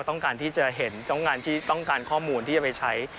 ต้องการที่จะเห็นต้องการข้อมูลที่จะไปใช้